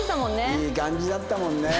いい感じだったもんね。